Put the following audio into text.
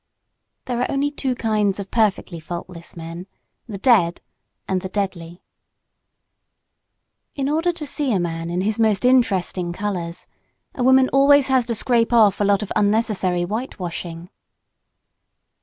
There are only two kinds of perfectly faultless men the dead and the deadly. In order to see a man in his most interesting colors a woman always has to scrape off a lot of unnecessary whitewashing.